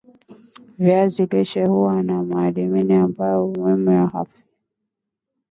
viazi lishe huwa na madini ambayo ni muhimu kwa afya